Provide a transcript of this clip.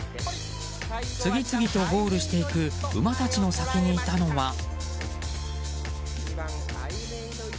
次々とゴールしていく馬たちの先にいたのは。